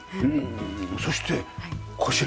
そしてこちら。